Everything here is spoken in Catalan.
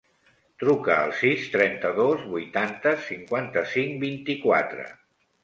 Truca al sis, trenta-dos, vuitanta, cinquanta-cinc, vint-i-quatre.